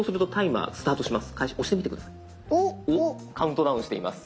カウントダウンしています。